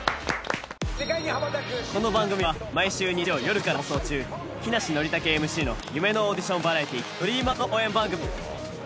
この番組は毎週日曜夜９時から放送中木梨憲武ＭＣの『夢のオーディションバラエティーＤｒｅａｍｅｒＺ』の応援番組。